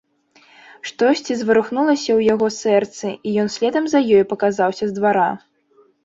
Штосьці зварухнулася ў яго сэрцы, і ён следам за ёй паказаўся з двара.